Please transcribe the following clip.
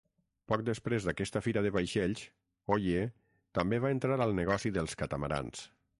Poc després d'aquesta fira de vaixells, Hoie també va entrar al negoci dels catamarans.